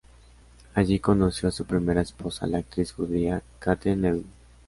Allí conoció a su primera esposa, la actriz judía Käthe Nevill.